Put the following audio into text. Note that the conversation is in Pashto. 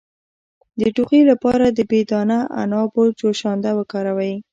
د ټوخي لپاره د بې دانه عنابو جوشانده وکاروئ